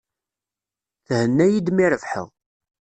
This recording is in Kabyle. Thenna-iyi-d mi rebḥeɣ.